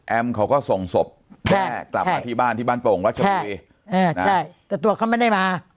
แอมเขาก็ส่งศพแทบมาที่บ้านที่บ้านโป่งรัชดุริใช่แต่ตัวเขาไม่ได้มา